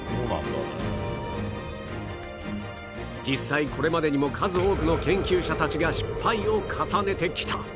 実際これまでにも数多くの研究者たちが失敗を重ねてきた